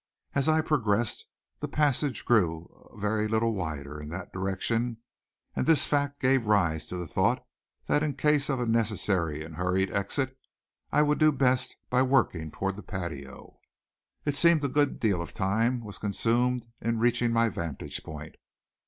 As I progressed the passage grew a very little wider in that direction, and this fact gave rise to the thought that in case of a necessary and hurried exit I would do best by working toward the patio. It seemed a good deal of time was consumed in reaching my vantage point.